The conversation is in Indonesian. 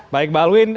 baik mbak alwin